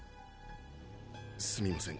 すみません。